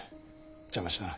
邪魔したな。